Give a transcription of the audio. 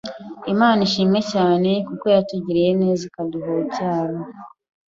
Imana ishimwe cyane kuko yatugiriye neza ikaduha urubyaro